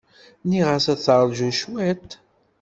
Nniɣ-as ad teṛju cwiṭ.